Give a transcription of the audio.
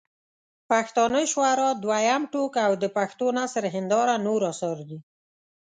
پښتانه شعراء دویم ټوک او د پښټو نثر هنداره نور اثار دي.